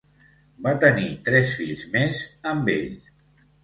Va tenir tres fills més amb ell.